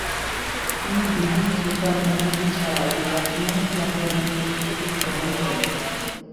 তিনি দিল্লীর সুলতানের অনুমতি ছাড়াই লখনৌতি আক্রমনের প্রস্ত্ততি গ্রহণ করেন।